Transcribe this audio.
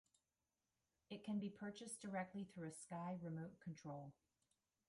It can be purchased directly through a Sky remote control.